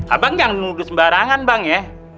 abang jangan nunggu sembarangan bang ya